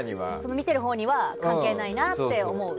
見ているほうには関係ないなと思うと。